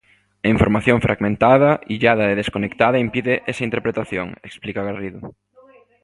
A información fragmentada, illada e desconectada impide esa interpretación, explica Garrido.